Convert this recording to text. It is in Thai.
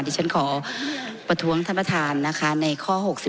ดิฉันขอประท้วงท่านประธานนะคะในข้อ๖๑